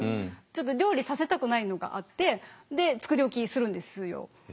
ちょっと料理させたくないのがあってで作り置きするんですよ。